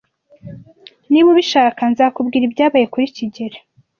Niba ubishaka, nzakubwira ibyabaye kuri kigeli.